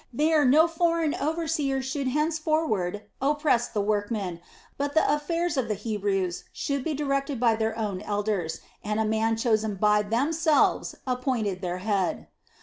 There no foreign overseer should henceforward oppress the workmen, but the affairs of the Hebrews should be directed by their own elders, and a man chosen by themselves appointed their head.